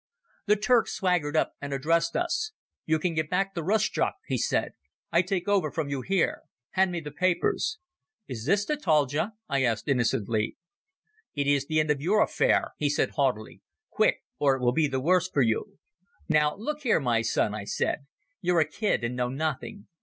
The Turk swaggered up and addressed us. "You can get back to Rustchuk," he said. "I take over from you here. Hand me the papers." "Is this Chataldja?" I asked innocently. "It is the end of your affair," he said haughtily. "Quick, or it will be the worse for you." "Now, look here, my son," I said; "you're a kid and know nothing.